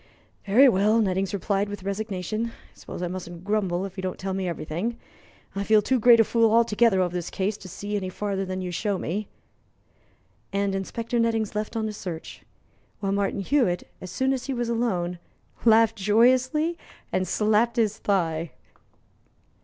"Very well," Nettings replied, with resignation. "I suppose I mustn't grumble if you don't tell me everything. I feel too great a fool altogether over this case to see any farther than you show me." And Inspector Nettings left on his search; while Martin Hewitt, as soon as he was alone, laughed joyously and slapped his thigh.